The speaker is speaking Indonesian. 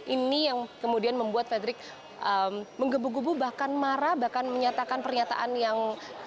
ini yang kemudian membuat fredrik menggebu gebu bahkan marah bahkan menyatakan pernyataan yang